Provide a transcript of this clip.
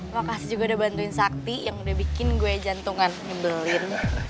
makasih juga udah bantuin sakti yang udah bikin gue jantungan nyebelin